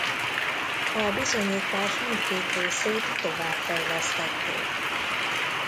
A bizonyítás mindkét részét továbbfejlesztették.